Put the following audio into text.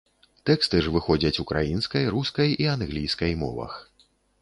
Тэксты ж выходзяць украінскай, рускай і англійскай мовах.